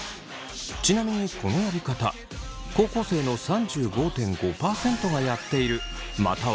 ちなみにこのやり方高校生の３５．５％がやっているまたはやったことがあるそう。